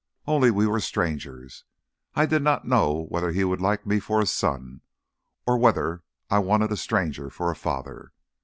Only we were strangers ... I did not know whether he would like me for a son, or whether I wanted a stranger for a father.